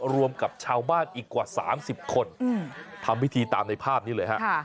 รวมกับชาวบ้านอีกกว่า๓๐คนทำพิธีตามในภาพนี้เลยฮะ